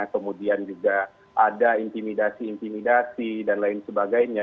kemudian juga ada intimidasi intimidasi dan lain sebagainya